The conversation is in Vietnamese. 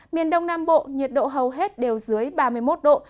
miền đông nam bộ nhiệt độ hầu hết đều dưới ba mươi một độ